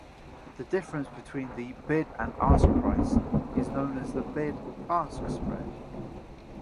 The difference between the bid and ask price is known as the bid-ask spread.